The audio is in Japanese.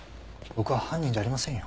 僕は犯人じゃありませんよ。